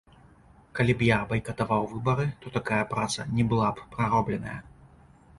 Калі б я байкатаваў выбары, то такая праца не была б праробленая.